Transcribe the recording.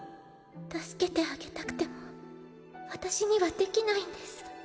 助けてあげたくても私にはできないんです。